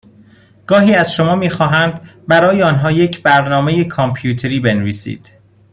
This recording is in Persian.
گاهی از شما میخواهند برای آنها یک برنامه کامپیوتری بنویسید